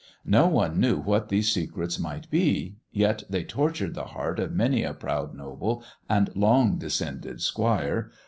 No one knew what these secrets might be, yet they tortured the heart of many a proud noble and long descended squire.